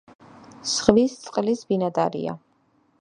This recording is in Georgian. ზღვის წყლის ბინადარია.